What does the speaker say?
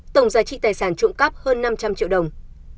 tổng giá trị tài sản trộm cắp hơn năm trăm linh triệu đồng